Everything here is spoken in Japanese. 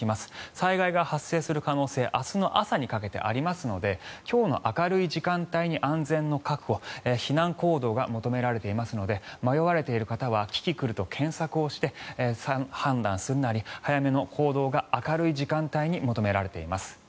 災害が発生する可能性明日の朝にかけてありますので今日の明るい時間帯に安全の確保避難行動が求められていますので迷われている方はキキクルと検索をして判断するなり早めの行動が、明るい時間帯に求められています。